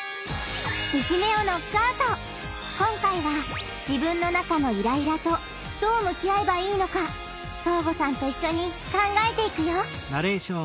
今回は「自分の中のイライラ」とどうむき合えばいいのかそーごさんといっしょに考えていくよ！